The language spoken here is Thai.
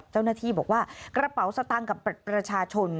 เจ้าหน้าที่บอกว่ากระเป๋าสตางค์กับประชาชน